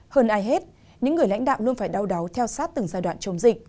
hơn ai hết những người lãnh đạo luôn phải đau đáu theo sát từng giai đoạn chống dịch